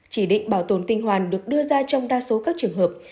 chỉ định bảo tồn tinh hoàn được đưa ra trong đa số các trường hợp